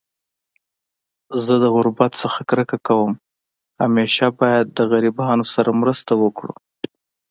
زه د غربت نه کرکه کوم .همیشه باید غریبانانو سره مرسته وکړو